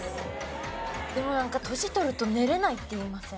でもなんか年取ると寝れないって言いません？